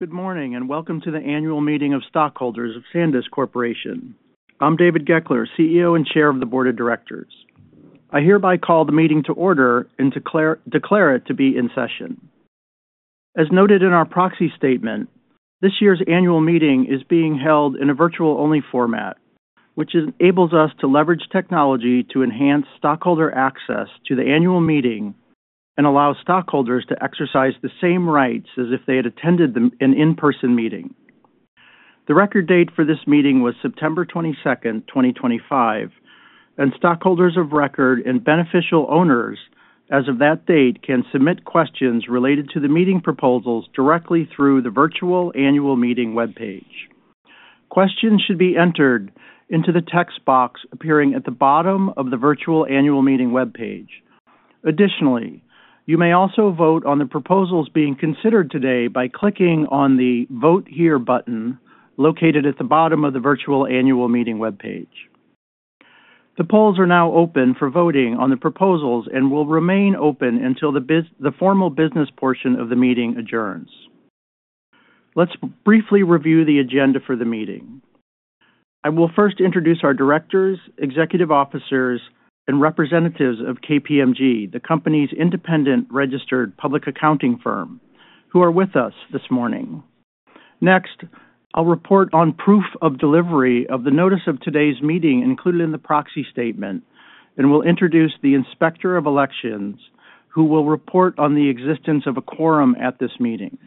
Good morning and welcome to the Annual Meeting of Stockholders of Sandisk Corporation. I'm David Goeckeler, CEO and Chair of the Board of Directors. I hereby call the meeting to order and declare it to be in session. As noted in our proxy statement, this year's annual meeting is being held in a virtual-only format, which enables us to leverage technology to enhance stockholder access to the annual meeting and allow stockholders to exercise the same rights as if they had attended an in-person meeting. The record date for this meeting was September 22nd, 2025, and stockholders of record and beneficial owners as of that date can submit questions related to the meeting proposals directly through the virtual annual meeting webpage. Questions should be entered into the text box appearing at the bottom of the virtual annual meeting webpage. Additionally, you may also vote on the proposals being considered today by clicking on the vote here button located at the bottom of the virtual annual meeting webpage. The polls are now open for voting on the proposals and will remain open until the formal business portion of the meeting adjourns. Let's briefly review the agenda for the meeting. I will first introduce our directors, executive officers, and representatives of KPMG, the company's independent registered public accounting firm, who are with us this morning. Next, I'll report on proof of delivery of the notice of today's meeting included in the proxy statement, and we'll introduce the inspector of elections who will report on the existence of a quorum at this meeting.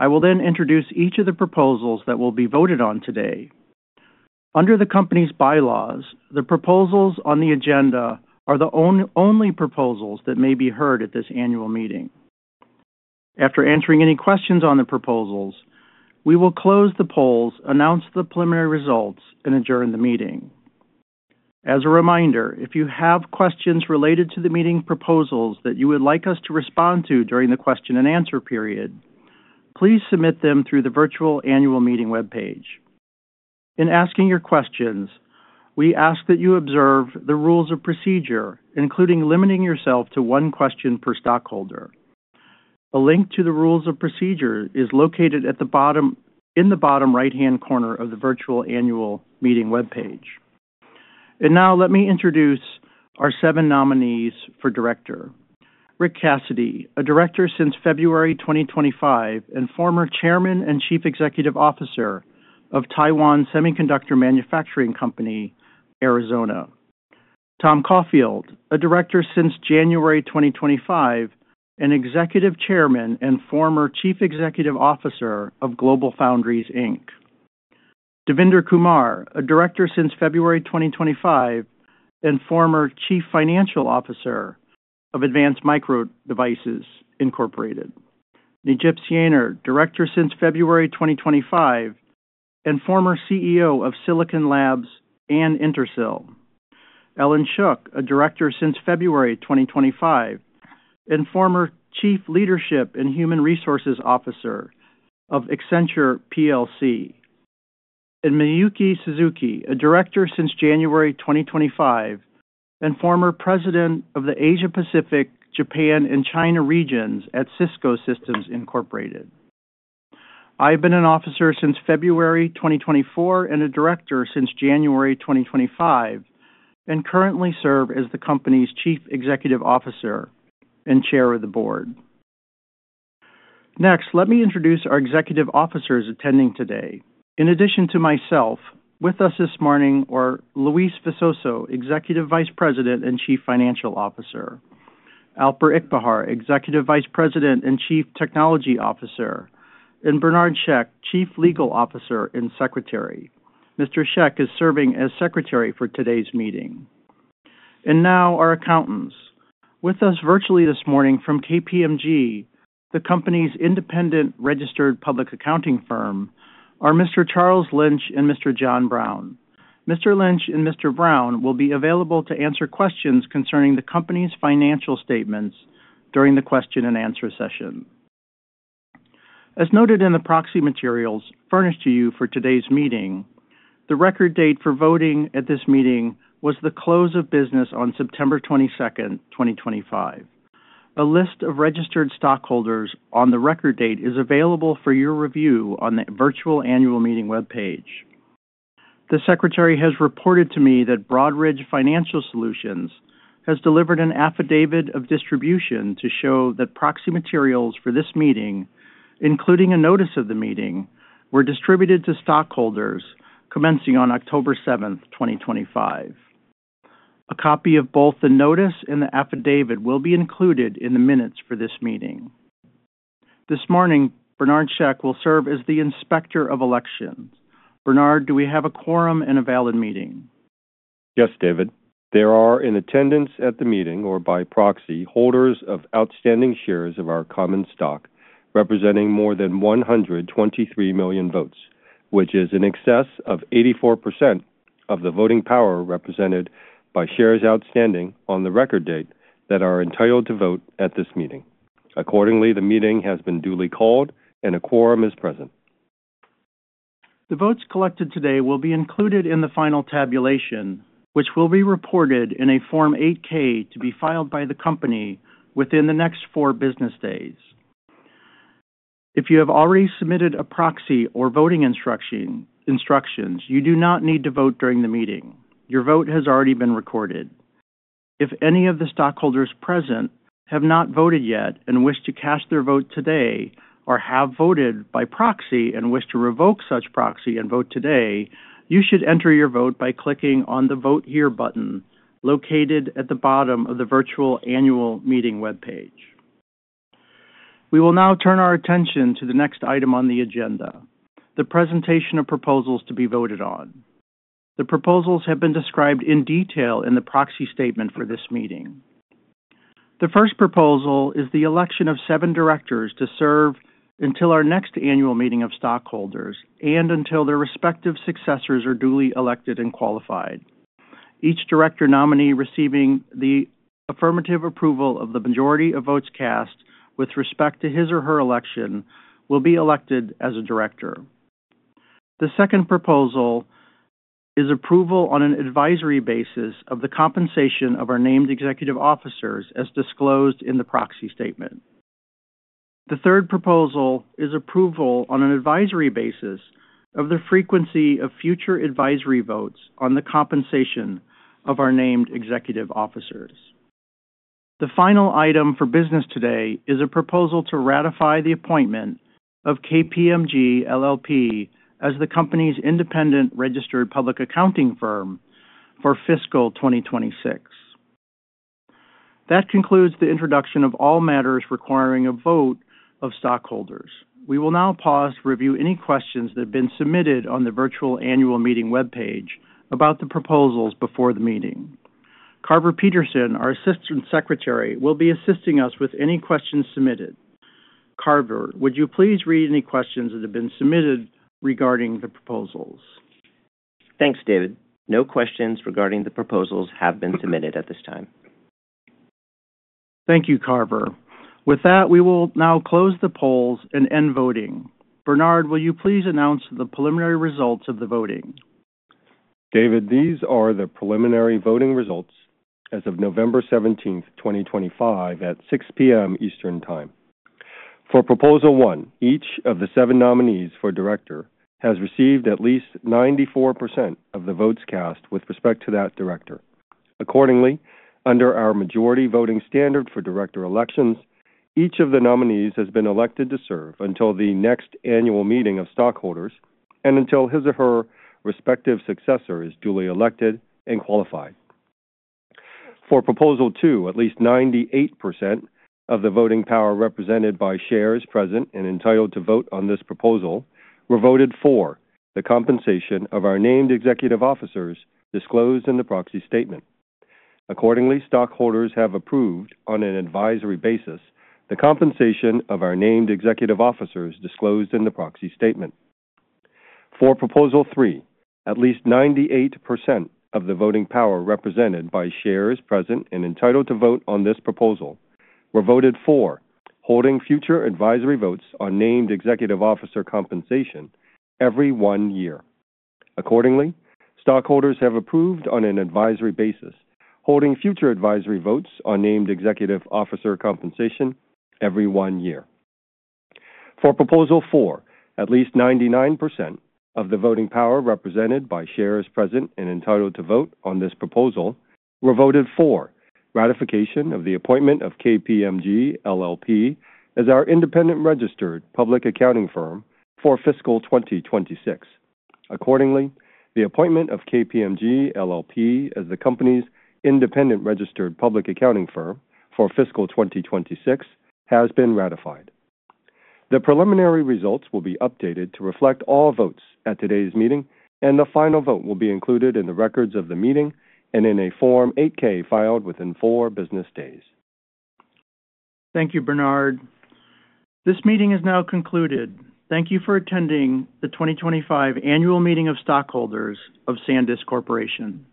I will then introduce each of the proposals that will be voted on today. Under the company's bylaws, the proposals on the agenda are the only proposals that may be heard at this annual meeting. After answering any questions on the proposals, we will close the polls, announce the preliminary results, and adjourn the meeting. As a reminder, if you have questions related to the meeting proposals that you would like us to respond to during the question and answer period, please submit them through the virtual annual meeting webpage. In asking your questions, we ask that you observe the rules of procedure, including limiting yourself to one question per stockholder. A link to the rules of procedure is located in the bottom right-hand corner of the virtual annual meeting webpage. And now let me introduce our seven nominees for director. Rick Cassidy, a director since February 2025 and former chairman and chief executive officer of Taiwan Semiconductor Manufacturing Company, Arizona. Tom Caulfield, a director since January 2025 and executive chairman and former chief executive officer of GlobalFoundries Inc. Devinder Kumar, a director since February 2025 and former chief financial officer of Advanced Micro Devices. Necip Sayiner, director since February 2025 and former CEO of Silicon Labs and Intersil. Ellyn Shook, a director since February 2025 and former chief leadership and human resources officer of Accenture TLC. Miyuki Suzuki, a director since January 2025 and former president of the Asia-Pacific, Japan, and China regions at Cisco Systems Incorporated. I've been an officer since February 2024 and a director since January 2025 and currently serve as the company's Chief Executive Officer and chair of the board. Next, let me introduce our executive officers attending today. In addition to myself, with us this morning are Luis Visoso, Executive Vice President and Chief Financial Officer; Alper Ilkbahar, Executive Vice President and Chief Technology Officer; and Bernard Shek, Chief Legal Officer and Secretary. Mr. Shek is serving as secretary for today's meeting. And now our accountants. With us virtually this morning from KPMG, the company's independent registered public accounting firm, are Mr. Charles Lynch and Mr. John Brown. Mr. Lynch and Mr. Brown will be available to answer questions concerning the company's financial statements during the question and answer session. As noted in the proxy materials furnished to you for today's meeting, the record date for voting at this meeting was the close of business on September 22nd, 2025. A list of registered stockholders on the record date is available for your review on the virtual annual meeting webpage. The secretary has reported to me that Broadridge Financial Solutions has delivered an affidavit of distribution to show that proxy materials for this meeting, including a notice of the meeting, were distributed to stockholders commencing on October 7th, 2025. A copy of both the notice and the affidavit will be included in the minutes for this meeting. This morning, Bernard Shek will serve as the inspector of elections. Bernard, do we have a quorum and a valid meeting? Yes, David. There are in attendance at the meeting or by proxy holders of outstanding shares of our common stock representing more than 123 million votes, which is in excess of 84% of the voting power represented by shares outstanding on the record date that are entitled to vote at this meeting. Accordingly, the meeting has been duly called and a quorum is present. The votes collected today will be included in the final tabulation, which will be reported in a Form 8-K to be filed by the company within the next four business days. If you have already submitted a proxy or voting instructions, you do not need to vote during the meeting. Your vote has already been recorded. If any of the stockholders present have not voted yet and wish to cast their vote today or have voted by proxy and wish to revoke such proxy and vote today, you should enter your vote by clicking on the vote here button located at the bottom of the virtual annual meeting webpage. We will now turn our attention to the next item on the agenda, the presentation of proposals to be voted on. The proposals have been described in detail in the proxy statement for this meeting. The first proposal is the election of seven directors to serve until our next annual meeting of stockholders and until their respective successors are duly elected and qualified. Each director nominee receiving the affirmative approval of the majority of votes cast with respect to his or her election will be elected as a director. The second proposal is approval on an advisory basis of the compensation of our named executive officers as disclosed in the proxy statement. The third proposal is approval on an advisory basis of the frequency of future advisory votes on the compensation of our named executive officers. The final item for business today is a proposal to ratify the appointment of KPMG LLP as the company's independent registered public accounting firm for fiscal 2026. That concludes the introduction of all matters requiring a vote of stockholders. We will now pause to review any questions that have been submitted on the virtual annual meeting webpage about the proposals before the meeting. Carver Peterson, our assistant secretary, will be assisting us with any questions submitted. Carver, would you please read any questions that have been submitted regarding the proposals? Thanks, David. No questions regarding the proposals have been submitted at this time. Thank you, Carver. With that, we will now close the polls and end voting. Bernard, will you please announce the preliminary results of the voting? David, these are the preliminary voting results as of November 17th, 2025 at 6:00 P.M. Eastern Time. For proposal one, each of the seven nominees for director has received at least 94% of the votes cast with respect to that director. Accordingly, under our majority voting standard for director elections, each of the nominees has been elected to serve until the next annual meeting of stockholders and until his or her respective successor is duly elected and qualified. For proposal two, at least 98% of the voting power represented by shares present and entitled to vote on this proposal were voted for the compensation of our named executive officers disclosed in the proxy statement. Accordingly, stockholders have approved on an advisory basis the compensation of our named executive officers disclosed in the proxy statement. For proposal three, at least 98% of the voting power represented by shares present and entitled to vote on this proposal were voted for, holding future advisory votes on named executive officer compensation every one year. Accordingly, stockholders have approved on an advisory basis holding future advisory votes on named executive officer compensation every one year. For proposal four, at least 99% of the voting power represented by shares present and entitled to vote on this proposal were voted for ratification of the appointment of KPMG LLP as our independent registered public accounting firm for fiscal 2026. Accordingly, the appointment of KPMG LLP as the company's independent registered public accounting firm for fiscal 2026 has been ratified. The preliminary results will be updated to reflect all votes at today's meeting, and the final vote will be included in the records of the meeting and in a Form 8-K filed within four business days. Thank you, Bernard. This meeting is now concluded. Thank you for attending the 2025 annual meeting of stockholders of Sandisk Corporation.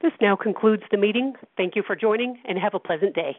This now concludes the meeting. Thank you for joining and have a pleasant day.